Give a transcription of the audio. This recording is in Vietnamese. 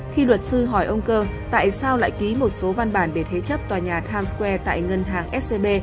khi luật sư hỏi ông cơ tại sao lại ký một số văn bản để thế chấp tòa nhà times square tại ngân hàng scb